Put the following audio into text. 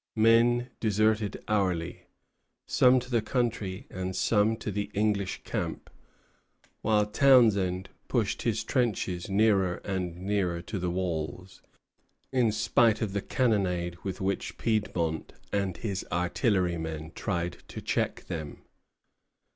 Men deserted hourly, some to the country, and some to the English camp; while Townshend pushed his trenches nearer and nearer to the walls, in spite of the cannonade with which Fiedmont and his artillerymen tried to check them.